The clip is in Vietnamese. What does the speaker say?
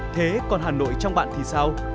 thế còn hà nội trong bạn thì sao